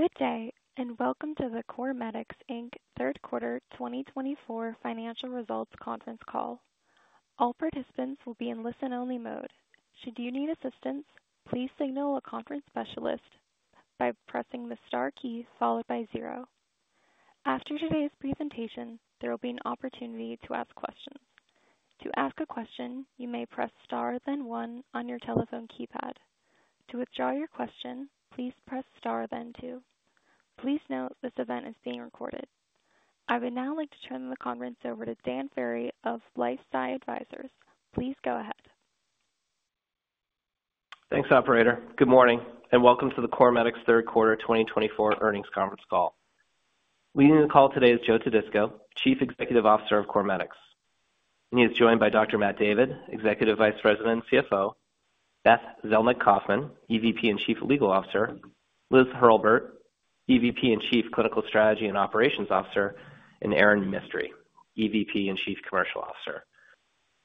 Good day, and welcome to the CorMedix Inc. Third Quarter 2024 Financial Results Conference Call. All participants will be in listen-only mode. Should you need assistance, please signal a conference specialist by pressing the star key followed by zero. After today's presentation, there will be an opportunity to ask questions. To ask a question, you may press star then one on your telephone keypad. To withdraw your question, please press star then two. Please note this event is being recorded. I would now like to turn the conference over to Dan Ferry of LifeSci Advisors. Please go ahead. Thanks, Operator. Good morning, and welcome to the CorMedix Third Quarter 2024 Earnings Conference Call. Leading the call today is Joe Todisco, Chief Executive Officer of CorMedix. He is joined by Dr. Matt David, Executive Vice President and CFO, Beth Zelnick-Kaufman, EVP and Chief Legal Officer, Liz Hurlburt, EVP and Chief Clinical Strategy and Operations Officer, and Erin Mistry, EVP and Chief Commercial Officer.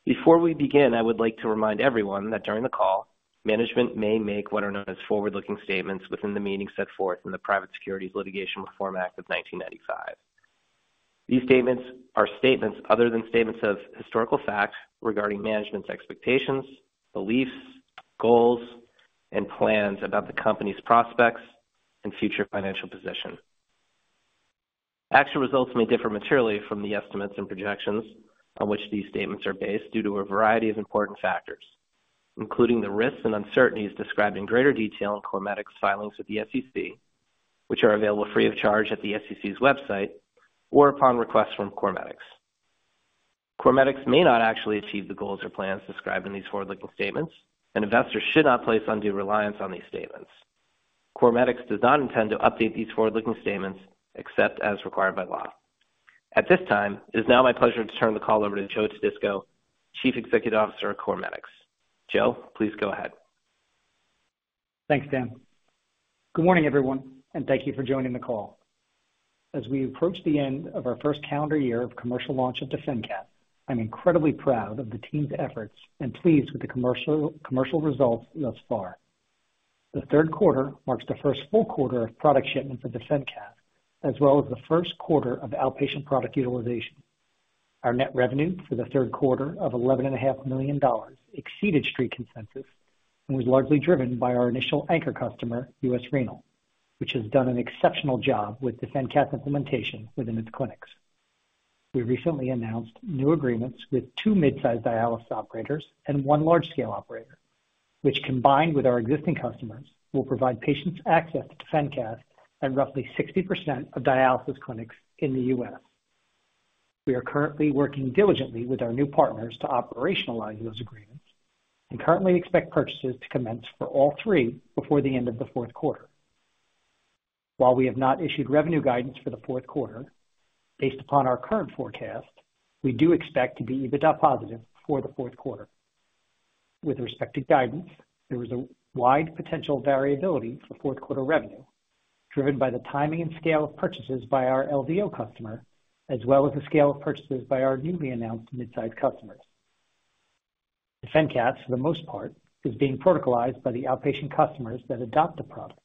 Before we begin, I would like to remind everyone that during the call, management may make what are known as forward-looking statements within the meaning set forth in the Private Securities Litigation Reform Act of 1995. These statements are statements other than statements of historical fact regarding management's expectations, beliefs, goals, and plans about the company's prospects and future financial position. Actual results may differ materially from the estimates and projections on which these statements are based due to a variety of important factors, including the risks and uncertainties described in greater detail in CorMedix filings with the SEC, which are available free of charge at the SEC's website or upon request from CorMedix. CorMedix may not actually achieve the goals or plans described in these forward-looking statements, and investors should not place undue reliance on these statements. CorMedix does not intend to update these forward-looking statements except as required by law. At this time, it is now my pleasure to turn the call over to Joe Todisco, Chief Executive Officer of CorMedix. Joe, please go ahead. Thanks, Dan. Good morning, everyone, and thank you for joining the call. As we approach the end of our first calendar year of commercial launch at DefenCath, I'm incredibly proud of the team's efforts and pleased with the commercial results thus far. The third quarter marks the first full quarter of product shipments at DefenCath, as well as the first quarter of outpatient product utilization. Our net revenue for the third quarter of $11.5 million exceeded street consensus and was largely driven by our initial anchor customer, US Renal, which has done an exceptional job with DefenCath implementation within its clinics. We recently announced new agreements with two mid-size dialysis operators and one large-scale operator, which, combined with our existing customers, will provide patients access to DefenCath at roughly 60% of dialysis clinics in the U.S. We are currently working diligently with our new partners to operationalize those agreements and currently expect purchases to commence for all three before the end of the fourth quarter. While we have not issued revenue guidance for the fourth quarter, based upon our current forecast, we do expect to be EBITDA positive for the fourth quarter. With respect to guidance, there is a wide potential variability for fourth quarter revenue, driven by the timing and scale of purchases by our LDO customer, as well as the scale of purchases by our newly announced mid-size customers. DefenCath, for the most part, is being protocolized by the outpatient customers that adopt the product,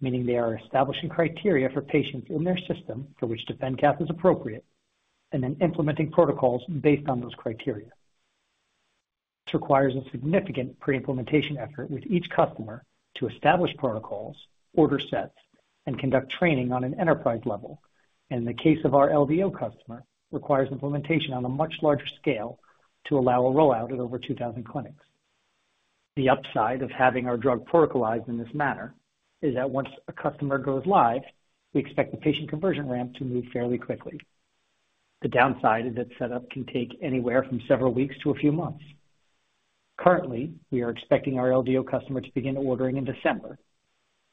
meaning they are establishing criteria for patients in their system for which DefenCath is appropriate and then implementing protocols based on those criteria. This requires a significant pre-implementation effort with each customer to establish protocols, order sets, and conduct training on an enterprise level, and in the case of our LDO customer, requires implementation on a much larger scale to allow a rollout at over 2,000 clinics. The upside of having our drug protocolized in this manner is that once a customer goes live, we expect the patient conversion ramp to move fairly quickly. The downside is that setup can take anywhere from several weeks to a few months. Currently, we are expecting our LDO customer to begin ordering in December,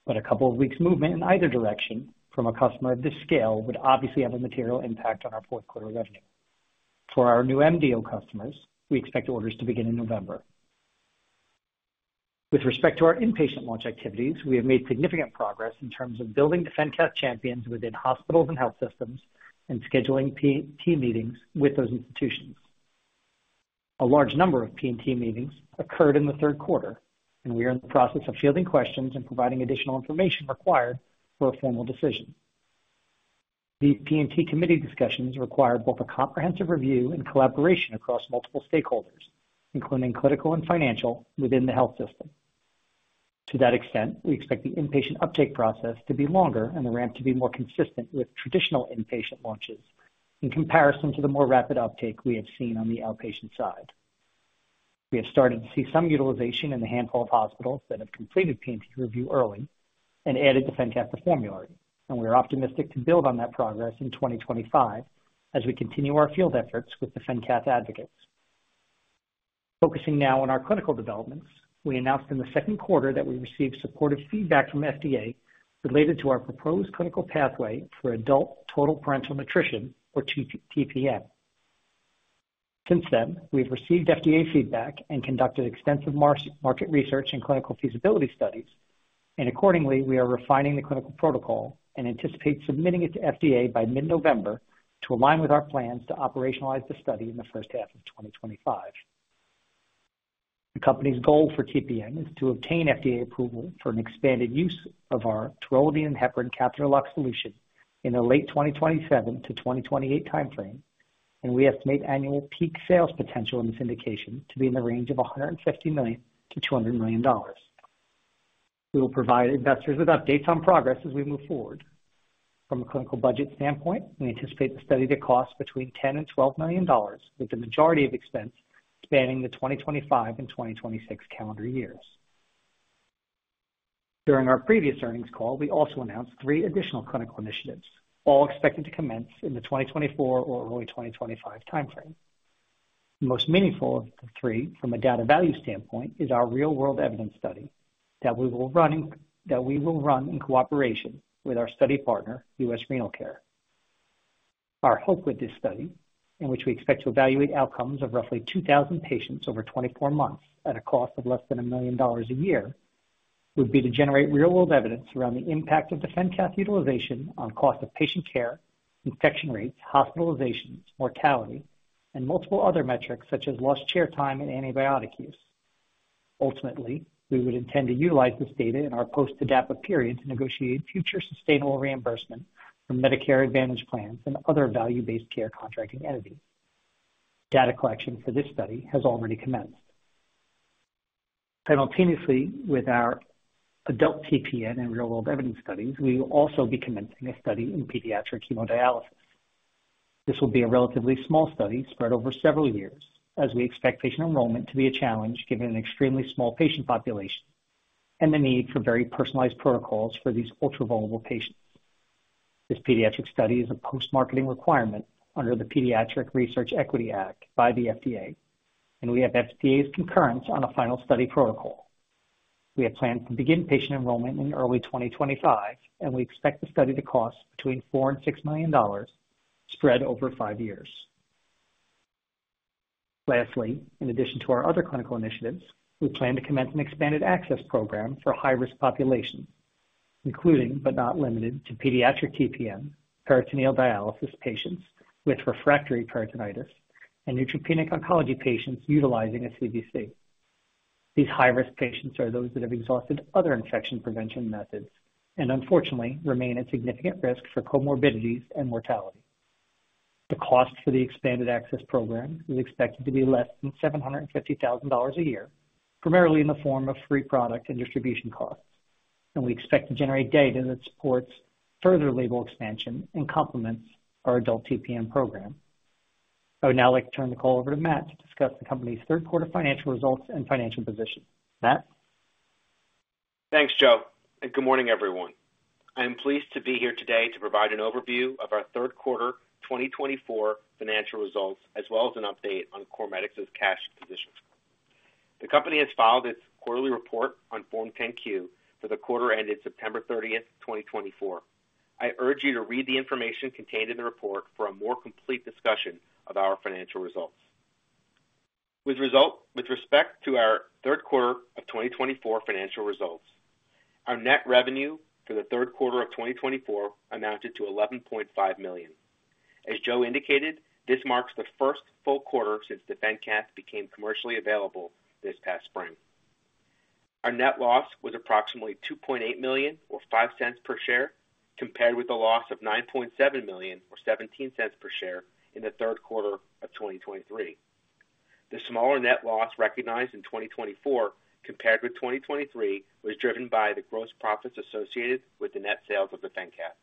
but a couple of weeks' movement in either direction from a customer of this scale would obviously have a material impact on our fourth quarter revenue. For our new MDO customers, we expect orders to begin in November. With respect to our inpatient launch activities, we have made significant progress in terms of building DefenCath champions within hospitals and health systems and scheduling P&T meetings with those institutions. A large number of P&T meetings occurred in the third quarter, and we are in the process of fielding questions and providing additional information required for a formal decision. These P&T committee discussions require both a comprehensive review and collaboration across multiple stakeholders, including clinical and financial, within the health system. To that extent, we expect the inpatient uptake process to be longer and the ramp to be more consistent with traditional inpatient launches in comparison to the more rapid uptake we have seen on the outpatient side. We have started to see some utilization in the handful of hospitals that have completed P&T review early and added DefenCath to formulary, and we are optimistic to build on that progress in 2025 as we continue our field efforts with DefenCath advocates. Focusing now on our clinical developments, we announced in the second quarter that we received supportive feedback from FDA related to our proposed clinical pathway for adult total parenteral nutrition, or TPN. Since then, we have received FDA feedback and conducted extensive market research and clinical feasibility studies, and accordingly, we are refining the clinical protocol and anticipate submitting it to FDA by mid-November to align with our plans to operationalize the study in the first half of 2025. The company's goal for TPN is to obtain FDA approval for an expanded use of our taurolidine and heparin catheter lock solution in the late 2027-2028 timeframe, and we estimate annual peak sales potential in this indication to be in the range of $150-$200 million. We will provide investors with updates on progress as we move forward. From a clinical budget standpoint, we anticipate the study to cost between $10 and $12 million, with the majority of expense spanning the 2025 and 2026 calendar years. During our previous earnings call, we also announced three additional clinical initiatives, all expected to commence in the 2024 or early 2025 timeframe. The most meaningful of the three, from a data value standpoint, is our real-world evidence study that we will run in cooperation with our study partner, US Renal Care. Our hope with this study, in which we expect to evaluate outcomes of roughly 2,000 patients over 24 months at a cost of less than $1 million a year, would be to generate real-world evidence around the impact of DefenCath utilization on cost of patient care, infection rates, hospitalizations, mortality, and multiple other metrics such as lost chair time and antibiotic use. Ultimately, we would intend to utilize this data in our post-TDAPA period to negotiate future sustainable reimbursement for Medicare Advantage plans and other value-based care contracting entities. Data collection for this study has already commenced. Simultaneously with our adult TPN and real-world evidence studies, we will also be commencing a study in pediatric hemodialysis. This will be a relatively small study spread over several years, as we expect patient enrollment to be a challenge given an extremely small patient population and the need for very personalized protocols for these ultra-vulnerable patients. This pediatric study is a post-marketing requirement under the Pediatric Research Equity Act by the FDA, and we have FDA's concurrence on a final study protocol. We have plans to begin patient enrollment in early 2025, and we expect the study to cost between $4 million and $6 million spread over five years. Lastly, in addition to our other clinical initiatives, we plan to commence an expanded access program for high-risk populations, including but not limited to pediatric TPN, peritoneal dialysis patients with refractory peritonitis, and neutropenic oncology patients utilizing a CVC. These high-risk patients are those that have exhausted other infection prevention methods and, unfortunately, remain at significant risk for comorbidities and mortality. The cost for the expanded access program is expected to be less than $750,000 a year, primarily in the form of free product and distribution costs, and we expect to generate data that supports further label expansion and complements our adult TPN program. I would now like to turn the call over to Matt to discuss the company's third quarter financial results and financial position. Matt. Thanks, Joe, and good morning, everyone. I am pleased to be here today to provide an overview of our third quarter 2024 financial results, as well as an update on CorMedix's cash position. The company has filed its quarterly report on Form 10-Q for the quarter ended September 30, 2024. I urge you to read the information contained in the report for a more complete discussion of our financial results. With respect to our third quarter of 2024 financial results, our net revenue for the third quarter of 2024 amounted to $11.5 million. As Joe indicated, this marks the first full quarter since DefenCath became commercially available this past spring. Our net loss was approximately $2.8 million, or $0.05 per share, compared with a loss of $9.7 million, or $0.17 per share, in the third quarter of 2023. The smaller net loss recognized in 2024 compared with 2023 was driven by the gross profits associated with the net sales of DefenCath.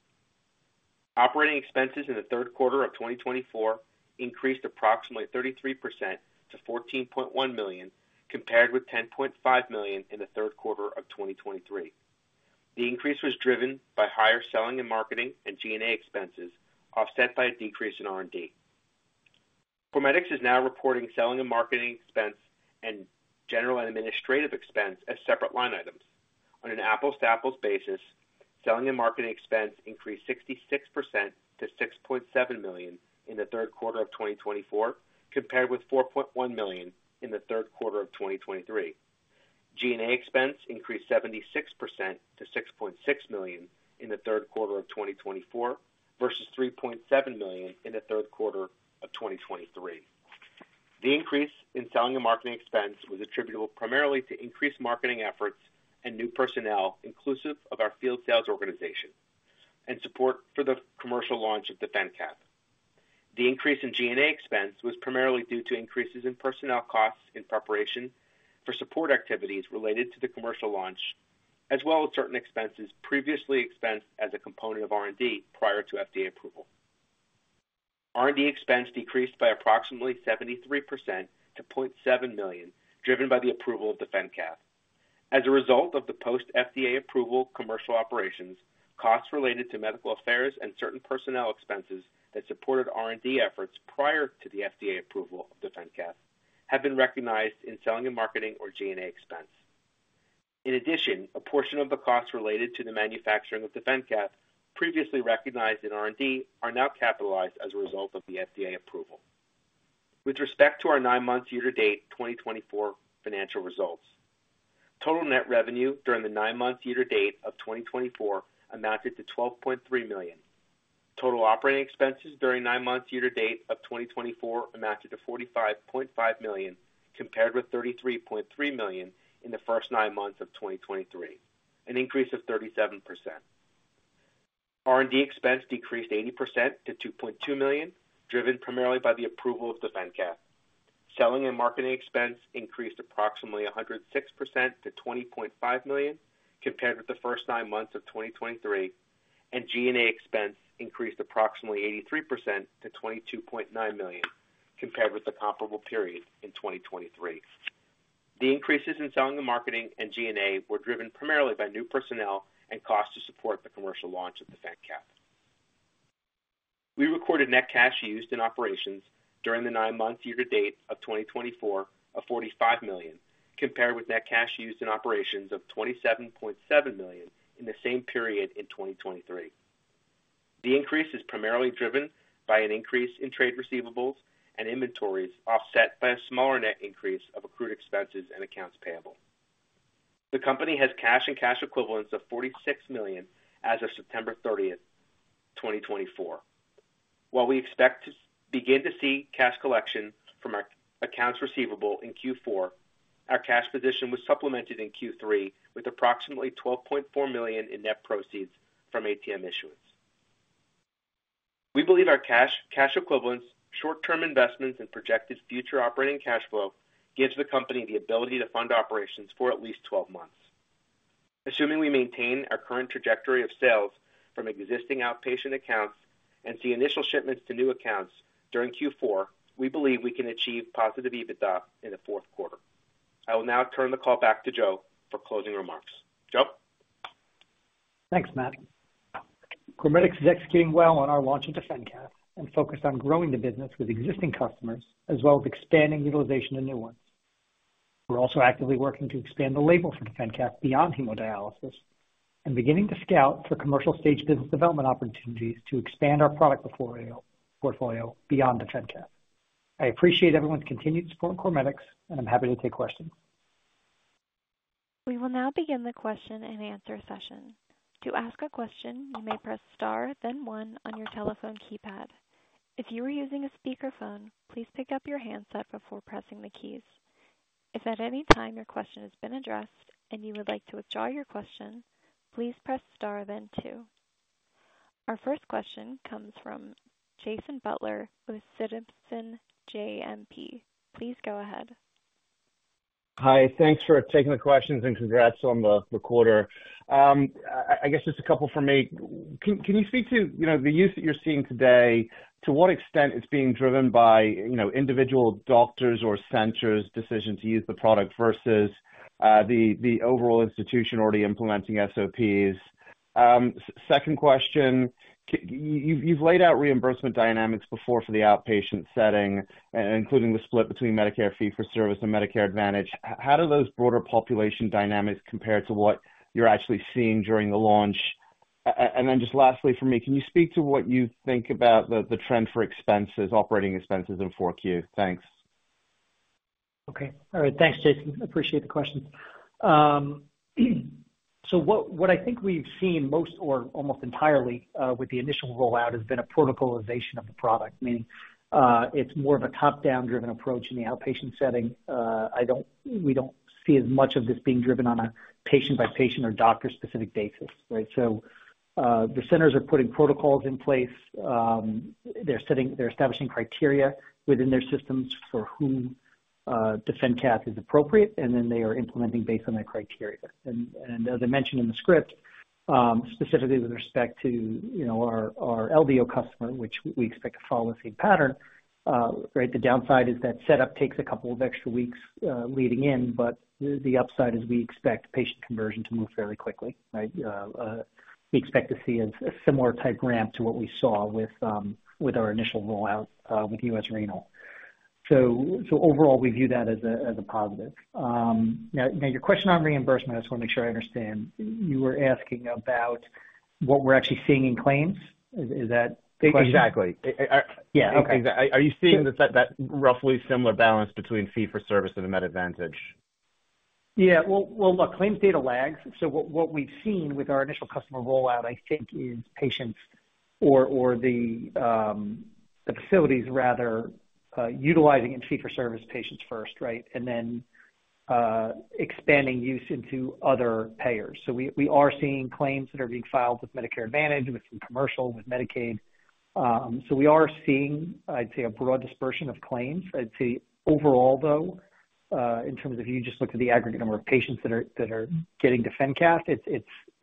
Operating expenses in the third quarter of 2024 increased approximately 33% to $14.1 million, compared with $10.5 million in the third quarter of 2023. The increase was driven by higher selling and marketing and G&A expenses, offset by a decrease in R&D. CorMedix is now reporting selling and marketing expense and general and administrative expense as separate line items. On an apples-to-apples basis, selling and marketing expense increased 66% to $6.7 million in the third quarter of 2024, compared with $4.1 million in the third quarter of 2023. G&A expense increased 76% to $6.6 million in the third quarter of 2024 versus $3.7 million in the third quarter of 2023. The increase in selling and marketing expense was attributable primarily to increased marketing efforts and new personnel, inclusive of our field sales organization, and support for the commercial launch of DefenCath. The increase in G&A expense was primarily due to increases in personnel costs in preparation for support activities related to the commercial launch, as well as certain expenses previously expensed as a component of R&D prior to FDA approval. R&D expense decreased by approximately 73% to $0.7 million, driven by the approval of DefenCath. As a result of the post-FDA approval commercial operations, costs related to medical affairs and certain personnel expenses that supported R&D efforts prior to the FDA approval of DefenCath have been recognized in selling and marketing or G&A expense. In addition, a portion of the costs related to the manufacturing of DefenCath, previously recognized in R&D, are now capitalized as a result of the FDA approval. With respect to our nine-month year-to-date 2024 financial results, total net revenue during the nine-month year-to-date of 2024 amounted to $12.3 million. Total operating expenses during nine-month year-to-date of 2024 amounted to $45.5 million, compared with $33.3 million in the first nine months of 2023, an increase of 37%. R&D expense decreased 80% to $2.2 million, driven primarily by the approval of DefenCath. Selling and marketing expense increased approximately 106% to $20.5 million, compared with the first nine months of 2023, and G&A expense increased approximately 83% to $22.9 million, compared with the comparable period in 2023. The increases in selling and marketing and G&A were driven primarily by new personnel and costs to support the commercial launch of DefenCath. We recorded net cash used in operations during the nine-month year-to-date of 2024 of $45 million, compared with net cash used in operations of $27.7 million in the same period in 2023. The increase is primarily driven by an increase in trade receivables and inventories, offset by a smaller net increase of accrued expenses and accounts payable. The company has cash and cash equivalents of $46 million as of September 30, 2024. While we expect to begin to see cash collection from our accounts receivable in Q4, our cash position was supplemented in Q3 with approximately $12.4 million in net proceeds from ATM issuance. We believe our cash equivalents, short-term investments, and projected future operating cash flow give the company the ability to fund operations for at least 12 months. Assuming we maintain our current trajectory of sales from existing outpatient accounts and see initial shipments to new accounts during Q4, we believe we can achieve positive EBITDA in the fourth quarter. I will now turn the call back to Joe for closing remarks. Joe? Thanks, Matt. CorMedix is executing well on our launch of DefenCath and focused on growing the business with existing customers, as well as expanding utilization of new ones. We're also actively working to expand the label for DefenCath beyond hemodialysis and beginning to scout for commercial-stage business development opportunities to expand our product portfolio beyond DefenCath. I appreciate everyone's continued support in CorMedix, and I'm happy to take questions. We will now begin the question and answer session. To ask a question, you may press star, then one on your telephone keypad. If you are using a speakerphone, please pick up your handset before pressing the keys. If at any time your question has been addressed and you would like to withdraw your question, please press star, then two. Our first question comes from Jason Butler with JMP. Please go ahead. Hi. Thanks for taking the questions and congrats on the quarter. I guess just a couple for me. Can you speak to the use that you're seeing today? To what extent is it being driven by individual doctors or centers' decision to use the product versus the overall institution already implementing SOPs? Second question, you've laid out reimbursement dynamics before for the outpatient setting, including the split between Medicare fee for service and Medicare Advantage. How do those broader population dynamics compare to what you're actually seeing during the launch? And then just lastly for me, can you speak to what you think about the trend for expenses, operating expenses in 4Q? Thanks. Okay. All right. Thanks, Jason. Appreciate the questions. So what I think we've seen most, or almost entirely, with the initial rollout has been a protocolization of the product, meaning it's more of a top-down-driven approach in the outpatient setting. We don't see as much of this being driven on a patient-by-patient or doctor-specific basis, right? So the centers are putting protocols in place. They're establishing criteria within their systems for who DefenCath is appropriate, and then they are implementing based on that criteria. And as I mentioned in the script, specifically with respect to our LDO customer, which we expect to follow the same pattern, right? The downside is that setup takes a couple of extra weeks leading in, but the upside is we expect patient conversion to move fairly quickly, right? We expect to see a similar type ramp to what we saw with our initial rollout with US Renal Care. So overall, we view that as a positive. Now, your question on reimbursement, I just want to make sure I understand. You were asking about what we're actually seeing in claims? Is that? Exactly. Yeah. Are you seeing that roughly similar balance between fee for service and the Med Advantage? Yeah. Well, look, claims data lags. So what we've seen with our initial customer rollout, I think, is patients or the facilities, rather, utilizing fee for service patients first, right, and then expanding use into other payers. So we are seeing claims that are being filed with Medicare Advantage, with Commercial, with Medicaid. So we are seeing, I'd say, a broad dispersion of claims. I'd say overall, though, in terms of you just looked at the aggregate number of patients that are getting DefenCath,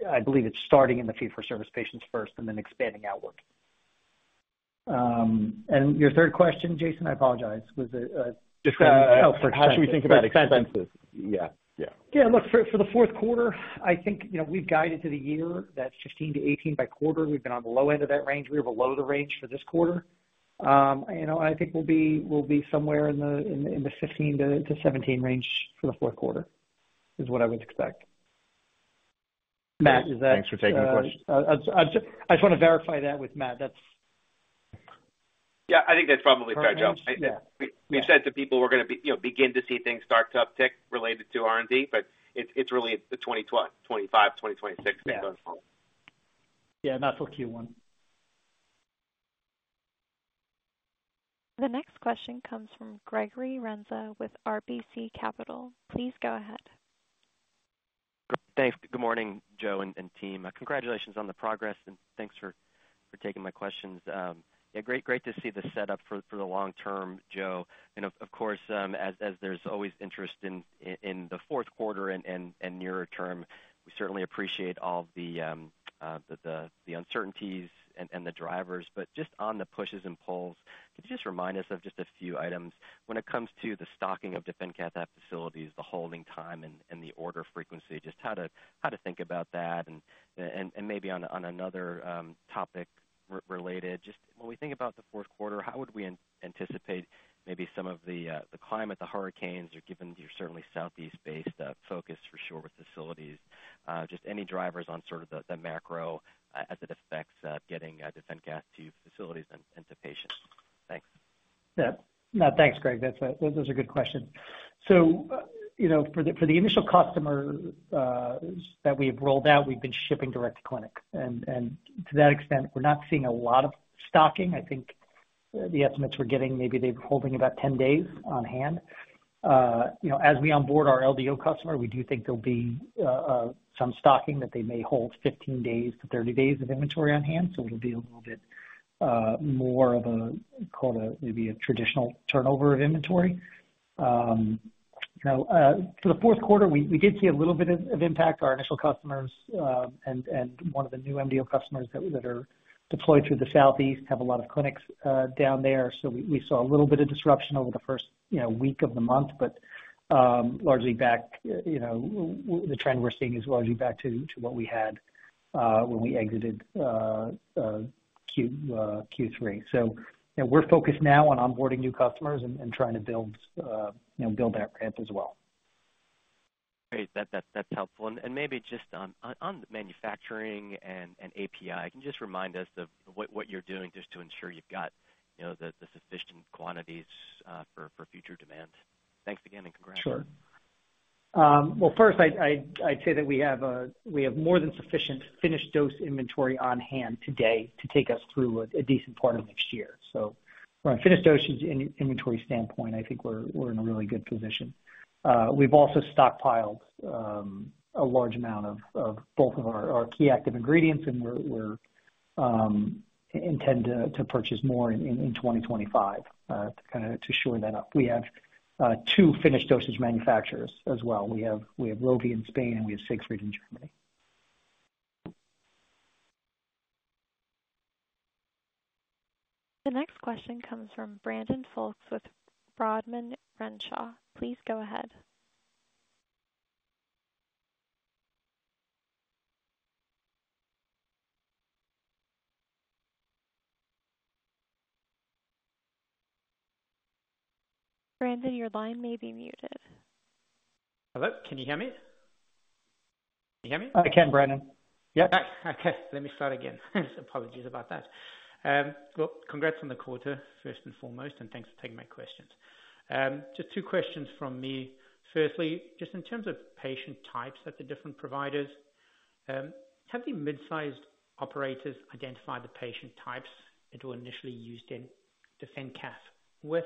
I believe it's starting in the fee for service patients first and then expanding outward. And your third question, Jason, I apologize, was a— How should we think about expenses? Yeah. Yeah. Yeah. Look, for the fourth quarter, I think we've guided to the year that's 15-18 by quarter. We've been on the low end of that range. We were below the range for this quarter. And I think we'll be somewhere in the 15-17 range for the fourth quarter is what I would expect. Matt, is that? Thanks for taking the question. I just want to verify that with Matt. That's— Yeah. I think that's probably fair, Joe. We've said to people we're going to begin to see things start to uptick related to R&D, but it's really the 2025, 2026 thing going forward. Yeah. Yeah. Not till Q1. The next question comes from Gregory Renza with RBC Capital. Please go ahead. Thanks. Good morning, Joe and team. Congratulations on the progress, and thanks for taking my questions. Yeah. Great to see the setup for the long term, Joe. And of course, as there's always interest in the fourth quarter and nearer term, we certainly appreciate all the uncertainties and the drivers. But just on the pushes and pulls, could you just remind us of just a few items when it comes to the stocking of DefenCath facilities, the holding time, and the order frequency, just how to think about that? And maybe on another topic related, just when we think about the fourth quarter, how would we anticipate maybe some of the climate? The hurricanes, given you're certainly Southeast-based focus for sure with facilities, just any drivers on sort of the macro as it affects getting DefenCath to facilities and to patients? Thanks. Yeah. No, thanks, Greg. That was a good question. So for the initial customers that we have rolled out, we've been shipping direct to clinic. And to that extent, we're not seeing a lot of stocking. I think the estimates we're getting, maybe they're holding about 10 days on hand. As we onboard our LDO customer, we do think there'll be some stocking that they may hold 15 days to 30 days of inventory on hand. So it'll be a little bit more of a, call it a maybe a traditional turnover of inventory. For the fourth quarter, we did see a little bit of impact. Our initial customers and one of the new MDO customers that are deployed through the Southeast have a lot of clinics down there. So we saw a little bit of disruption over the first week of the month, but largely back, the trend we're seeing is largely back to what we had when we exited Q3. So we're focused now on onboarding new customers and trying to build that ramp as well. Great. That's helpful. And maybe just on the manufacturing and API, can you just remind us of what you're doing just to ensure you've got the sufficient quantities for future demand? Thanks again and congrats. Sure. Well, first, I'd say that we have more than sufficient finished dose inventory on hand today to take us through a decent part of next year. So from a finished dose inventory standpoint, I think we're in a really good position. We've also stockpiled a large amount of both of our key active ingredients, and we intend to purchase more in 2025 to kind of shore that up. We have two finished dosage manufacturers as well. We have ROVI in Spain, and we have Siegfried in Germany. The next question comes from Brandon Folkes with Rodman & Renshaw. Please go ahead. Brandon, your line may be muted. Hello? Can you hear me? Can you hear me? I can, Brandon. Yeah. Okay. Let me start again. Apologies about that. Well, congrats on the quarter, first and foremost, and thanks for taking my questions. Just two questions from me. Firstly, just in terms of patient types at the different providers, have the mid-sized operators identified the patient types that were initially used in DefenCath? With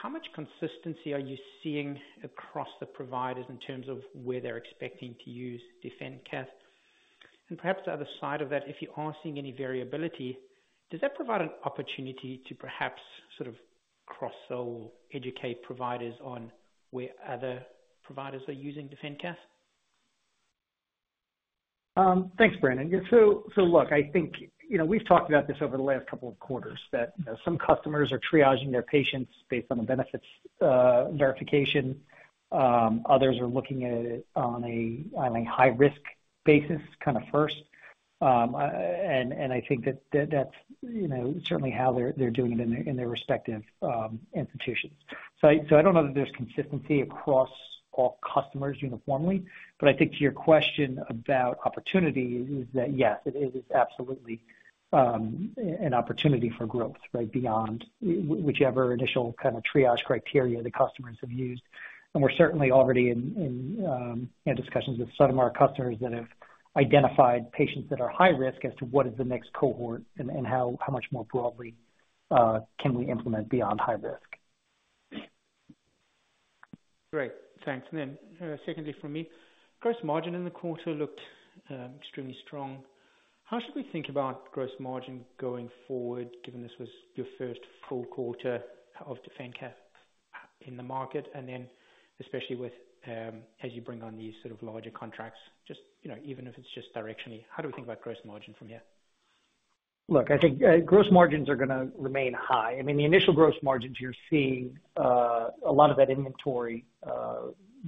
how much consistency are you seeing across the providers in terms of where they're expecting to use DefenCath? And perhaps the other side of that, if you are seeing any variability, does that provide an opportunity to perhaps sort of cross-sell educate providers on where other providers are using DefenCath? Thanks, Brandon. So look, I think we've talked about this over the last couple of quarters, that some customers are triaging their patients based on the benefits verification. Others are looking at it on a high-risk basis kind of first. And I think that that's certainly how they're doing it in their respective institutions. So I don't know that there's consistency across all customers uniformly, but I think to your question about opportunity is that yes, it is absolutely an opportunity for growth, right, beyond whichever initial kind of triage criteria the customers have used. And we're certainly already in discussions with some of our customers that have identified patients that are high risk as to what is the next cohort and how much more broadly can we implement beyond high risk. Great. Thanks, and then secondly for me, gross margin in the quarter looked extremely strong. How should we think about gross margin going forward, given this was your first full quarter of DefenCath in the market, and then especially as you bring on these sort of larger contracts, just even if it's just directionally, how do we think about gross margin from here? Look, I think gross margins are going to remain high. I mean, the initial gross margins you're seeing, a lot of that inventory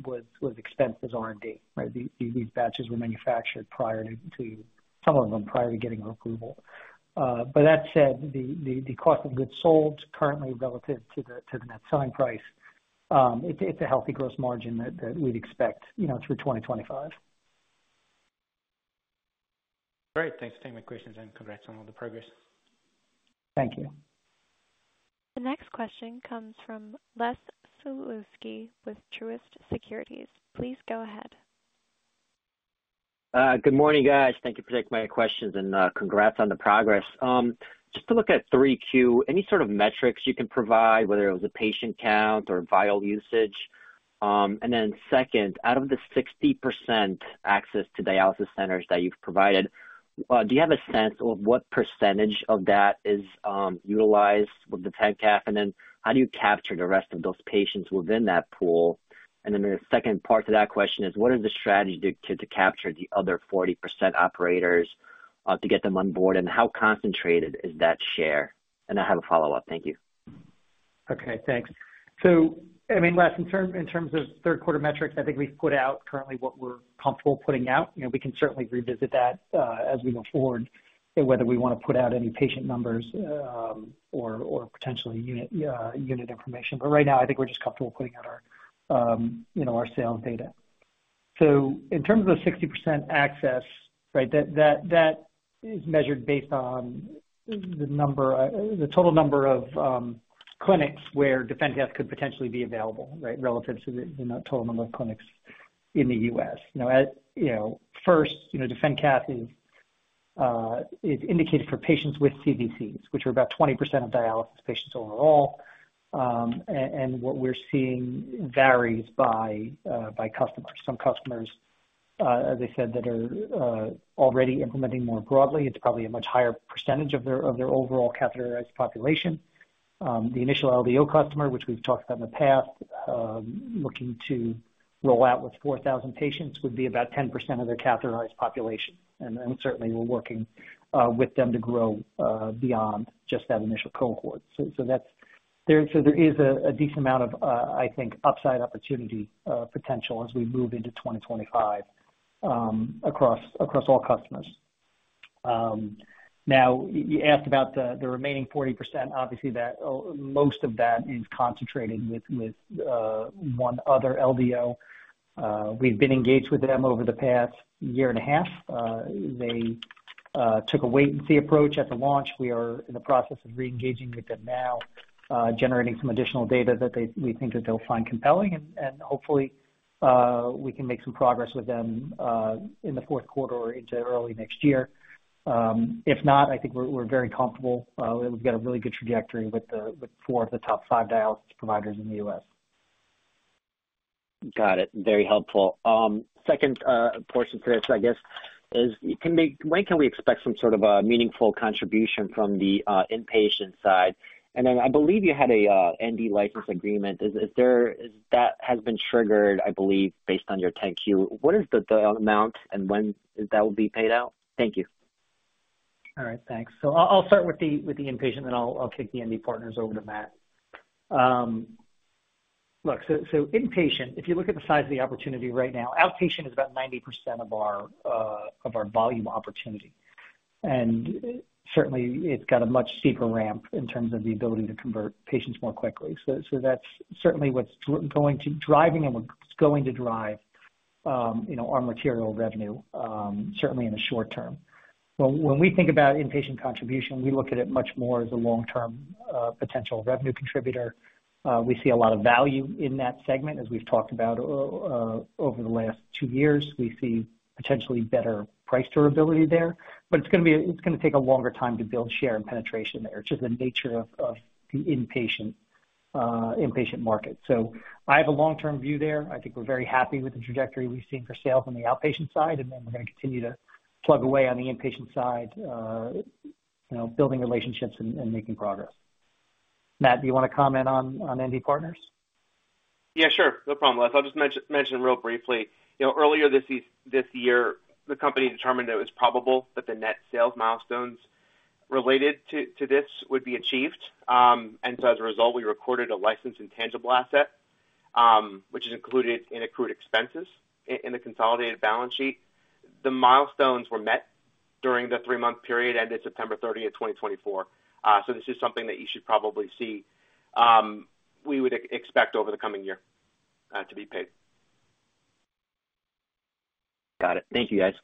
was expensed as R&D, right? These batches were manufactured prior to some of them prior to getting approval. But that said, the cost of goods sold currently relative to the net selling price, it's a healthy gross margin that we'd expect through 2025. Great. Thanks for taking my questions, and congrats on all the progress. Thank you. The next question comes from Les Sulewski with Truist Securities. Please go ahead. Good morning, guys. Thank you for taking my questions and congrats on the progress. Just to look at 3Q, any sort of metrics you can provide, whether it was a patient count or vial usage? And then second, out of the 60% access to dialysis centers that you've provided, do you have a sense of what percentage of that is utilized with DefenCath? And then how do you capture the rest of those patients within that pool? And then the second part to that question is, what is the strategy to capture the other 40% operators to get them on board? And how concentrated is that share? And I have a follow-up. Thank you. Okay. Thanks. So I mean, Les, in terms of third quarter metrics, I think we've put out currently what we're comfortable putting out. We can certainly revisit that as we move forward, whether we want to put out any patient numbers or potentially unit information. But right now, I think we're just comfortable putting out our sales data. So in terms of the 60% access, right, that is measured based on the total number of clinics where DefenCath could potentially be available, right, relative to the total number of clinics in the U.S. First, DefenCath is indicated for patients with CVCs, which are about 20% of dialysis patients overall. And what we're seeing varies by customers. Some customers, as I said, that are already implementing more broadly, it's probably a much higher percentage of their overall catheterized population. The initial LDO customer, which we've talked about in the past, looking to roll out with 4,000 patients, would be about 10% of their catheterized population. And certainly, we're working with them to grow beyond just that initial cohort. So there is a decent amount of, I think, upside opportunity potential as we move into 2025 across all customers. Now, you asked about the remaining 40%. Obviously, most of that is concentrated with one other LDO. We've been engaged with them over the past year and a half. They took a wait-and-see approach at the launch. We are in the process of re-engaging with them now, generating some additional data that we think that they'll find compelling. And hopefully, we can make some progress with them in the fourth quarter or into early next year. If not, I think we're very comfortable. We've got a really good trajectory with four of the top five dialysis providers in the U.S. Got it. Very helpful. Second portion to this, I guess, is when can we expect some sort of meaningful contribution from the inpatient side? And then I believe you had an ND license agreement. That has been triggered, I believe, based on your 10-Q. What is the amount and when that will be paid out? Thank you. All right. Thanks. So I'll start with the inpatient, then I'll kick the ND Partners over to Matt. Look, so inpatient, if you look at the size of the opportunity right now, outpatient is about 90% of our volume opportunity. And certainly, it's got a much steeper ramp in terms of the ability to convert patients more quickly. So that's certainly what's driving and what's going to drive our material revenue, certainly in the short term. When we think about inpatient contribution, we look at it much more as a long-term potential revenue contributor. We see a lot of value in that segment, as we've talked about over the last two years. We see potentially better price durability there. But it's going to take a longer time to build share and penetration there, which is the nature of the inpatient market. So I have a long-term view there. I think we're very happy with the trajectory we've seen for sales on the outpatient side, and then we're going to continue to plug away on the inpatient side, building relationships and making progress. Matt, do you want to comment on ND Partners? Yeah, sure. No problem, Les. I'll just mention real briefly. Earlier this year, the company determined it was probable that the net sales milestones related to this would be achieved. And so as a result, we recorded a license intangible asset, which is included in accrued expenses in the consolidated balance sheet. The milestones were met during the three-month period ended September 30th, 2024. So this is something that you should probably see we would expect over the coming year to be paid. Got it. Thank you, guys.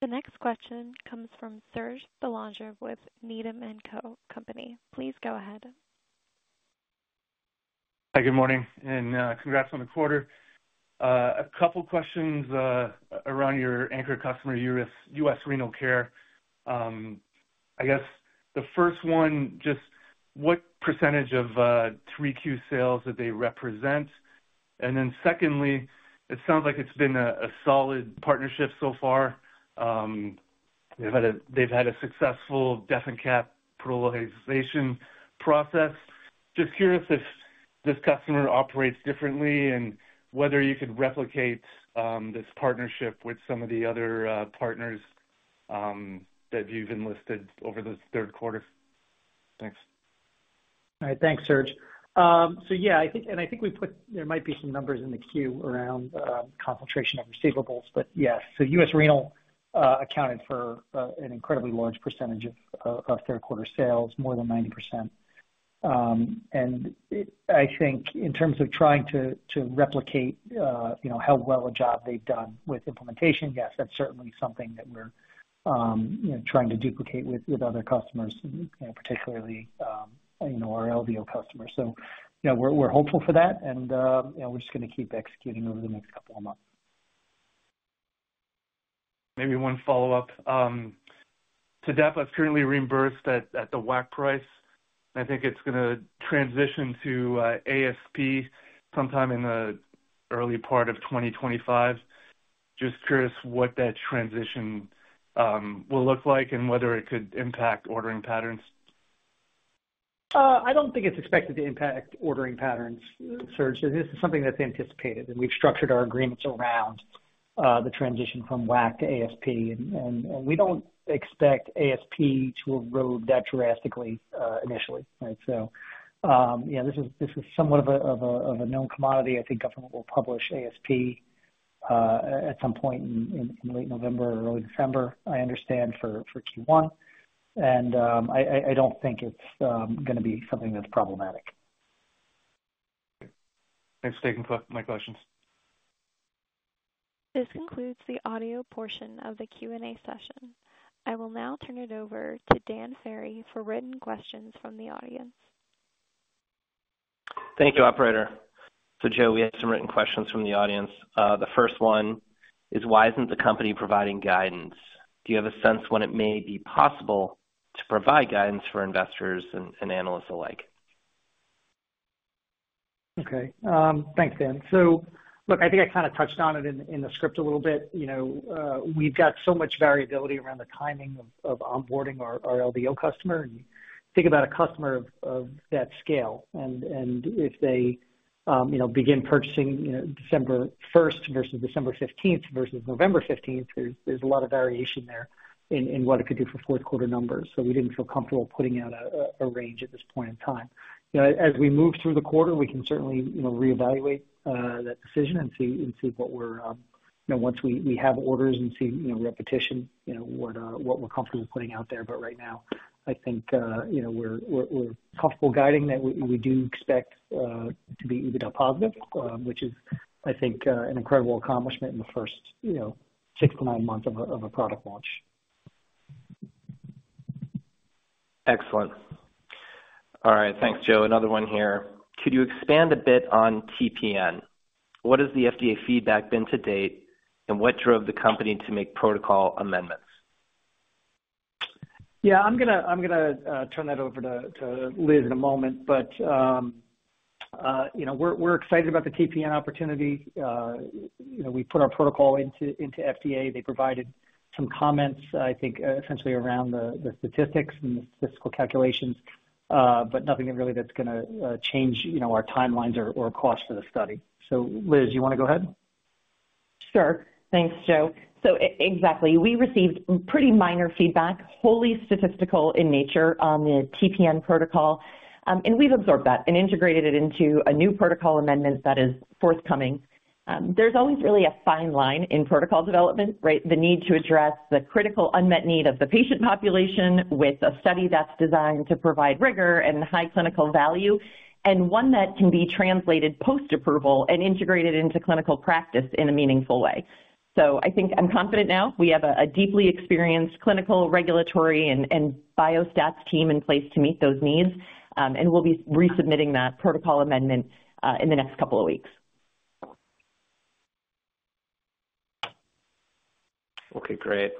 The next question comes from Serge Belanger with Needham & Company. Please go ahead. Hi, good morning. And congrats on the quarter. A couple of questions around your anchor customer, US Renal Care. I guess the first one, just what percentage of 3Q sales did they represent? And then secondly, it sounds like it's been a solid partnership so far. They've had a successful DefenCath prioritization process. Just curious if this customer operates differently and whether you could replicate this partnership with some of the other partners that you've enlisted over this third quarter. Thanks. All right. Thanks, Serge. So yeah, and I think we put there might be some numbers in the queue around concentration of receivables, but yes. So US Renal Care accounted for an incredibly large percentage of third quarter sales, more than 90%. And I think in terms of trying to replicate how well a job they've done with implementation, yes, that's certainly something that we're trying to duplicate with other customers, particularly our LDO customers. So we're hopeful for that, and we're just going to keep executing over the next couple of months. Maybe one follow-up. So Def is currently reimbursed at the WAC price. I think it's going to transition to ASP sometime in the early part of 2025. Just curious what that transition will look like and whether it could impact ordering patterns? I don't think it's expected to impact ordering patterns, Serge. This is something that's anticipated. And we've structured our agreements around the transition from WAC to ASP. And we don't expect ASP to erode that drastically initially, right? So yeah, this is somewhat of a known commodity. I think government will publish ASP at some point in late November or early December, I understand, for Q1. And I don't think it's going to be something that's problematic. Thanks for taking my questions. This concludes the audio portion of the Q&A session. I will now turn it over to Dan Ferry for written questions from the audience. Thank you, Operator. So Joe, we have some written questions from the audience. The first one is, why isn't the company providing guidance? Do you have a sense when it may be possible to provide guidance for investors and analysts alike? Okay. Thanks, Dan. So look, I think I kind of touched on it in the script a little bit. We've got so much variability around the timing of onboarding our LDO customer. And think about a customer of that scale. And if they begin purchasing December 1st versus December 15th versus November 15th, there's a lot of variation there in what it could do for fourth quarter numbers. So we didn't feel comfortable putting out a range at this point in time. As we move through the quarter, we can certainly reevaluate that decision and see what we're once we have orders and see repetition, what we're comfortable putting out there. But right now, I think we're comfortable guiding that we do expect to be EBITDA positive, which is, I think, an incredible accomplishment in the first six to nine months of a product launch. Excellent. All right. Thanks, Joe. Another one here. Could you expand a bit on TPN? What has the FDA feedback been to date, and what drove the company to make protocol amendments? Yeah, I'm going to turn that over to Liz in a moment, but we're excited about the TPN opportunity. We put our protocol into FDA. They provided some comments, I think, essentially around the statistics and the statistical calculations, but nothing really that's going to change our timelines or cost for the study, so Liz, you want to go ahead? Sure. Thanks, Joe. So exactly. We received pretty minor feedback, wholly statistical in nature, on the TPN protocol. And we've absorbed that and integrated it into a new protocol amendment that is forthcoming. There's always really a fine line in protocol development, right? The need to address the critical unmet need of the patient population with a study that's designed to provide rigor and high clinical value, and one that can be translated post-approval and integrated into clinical practice in a meaningful way. So I think I'm confident now. We have a deeply experienced clinical regulatory and biostats team in place to meet those needs. And we'll be resubmitting that protocol amendment in the next couple of weeks. Okay. Great.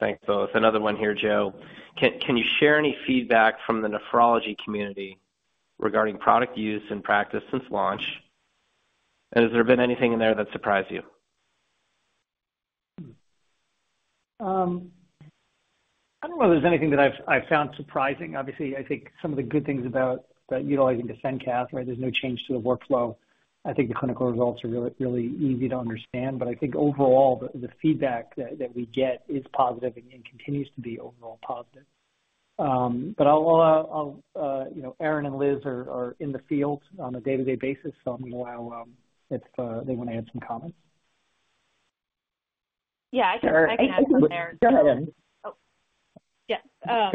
Thanks, both. Another one here, Joe. Can you share any feedback from the nephrology community regarding product use and practice since launch? And has there been anything in there that surprised you? I don't know if there's anything that I've found surprising. Obviously, I think some of the good things about utilizing DefenCath, right? There's no change to the workflow. I think the clinical results are really easy to understand. But I think overall, the feedback that we get is positive and continues to be overall positive. But Erin and Liz are in the field on a day-to-day basis. So I'm going to allow if they want to add some comments. Yeah, I can add something there. Go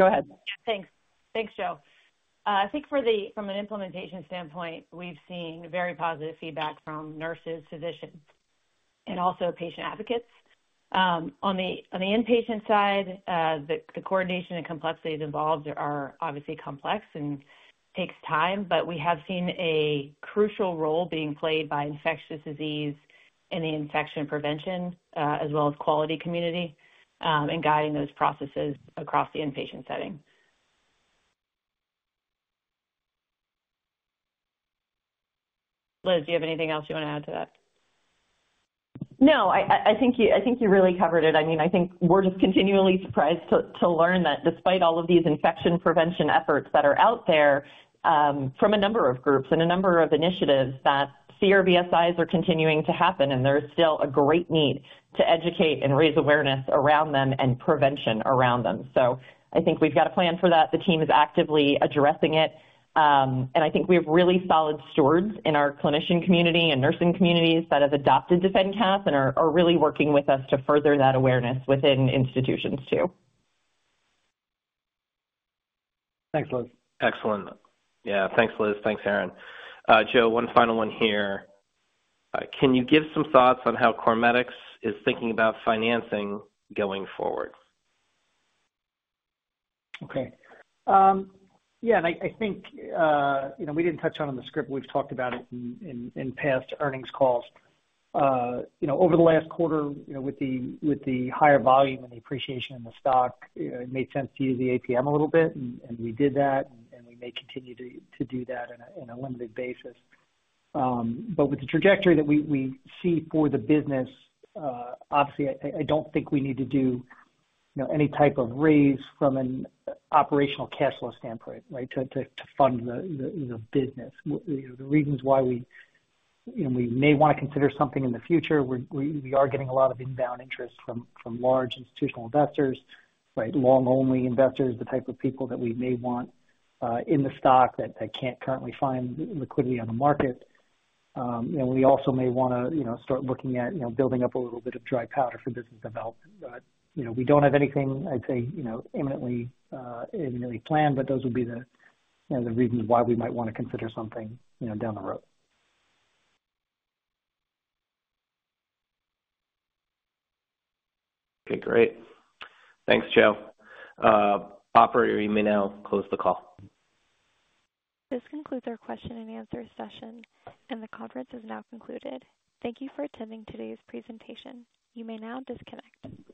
ahead. Yeah, thanks. Thanks, Joe. I think from an implementation standpoint, we've seen very positive feedback from nurses, physicians, and also patient advocates. On the inpatient side, the coordination and complexities involved are obviously complex and take time. But we have seen a crucial role being played by infectious disease in the infection prevention as well as quality community and guiding those processes across the inpatient setting. Liz, do you have anything else you want to add to that? No, I think you really covered it. I mean, I think we're just continually surprised to learn that despite all of these infection prevention efforts that are out there from a number of groups and a number of initiatives, that CRBSIs are continuing to happen. And there is still a great need to educate and raise awareness around them and prevention around them. So I think we've got a plan for that. The team is actively addressing it, and I think we have really solid stewards in our clinician community and nursing communities that have adopted DefenCath and are really working with us to further that awareness within institutions too. Thanks, Liz. Excellent. Yeah. Thanks, Liz. Thanks, Erin. Joe, one final one here. Can you give some thoughts on how CorMedix is thinking about financing going forward? Okay. Yeah, and I think we didn't touch on it in the script. We've talked about it in past earnings calls. Over the last quarter, with the higher volume and the appreciation in the stock, it made sense to use the ATM a little bit, and we did that, and we may continue to do that on a limited basis, but with the trajectory that we see for the business, obviously, I don't think we need to do any type of raise from an operational cash flow standpoint, right, to fund the business. The reasons why we may want to consider something in the future, we are getting a lot of inbound interest from large institutional investors, right? Long-only investors, the type of people that we may want in the stock that can't currently find liquidity on the market. And we also may want to start looking at building up a little bit of dry powder for business development. But we don't have anything, I'd say, imminently planned. But those would be the reasons why we might want to consider something down the road. Okay. Great. Thanks, Joe. Operator, you may now close the call. This concludes our question and answer session, and the conference is now concluded. Thank you for attending today's presentation. You may now disconnect.